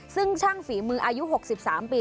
ซึ่งช่างฝีมืออายุ๖๓ปี